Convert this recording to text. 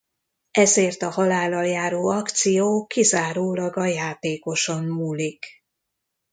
Ezért a halállal járó akció kizárólag a játékoson múlik.